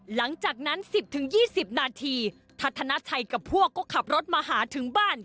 หลังจากนั้น๑๐๒๐นาทีทัศนาชัยกับพวกก็ขับรถมาหาถึงบ้าน